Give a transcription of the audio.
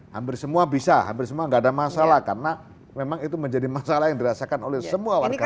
hampir semua bisa hampir semua nggak ada masalah karena memang itu menjadi masalah yang dirasakan oleh semua warga negara